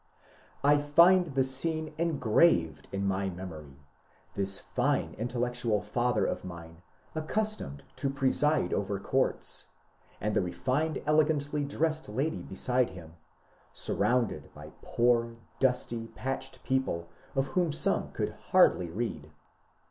I find the scene engraved in my memory, — this fine intellectual father of mine, accus tomed to preside over courts, and the refined elegantly dressed lady beside him, surrounded by poor, dusty, patched people, of whom some could hardly read.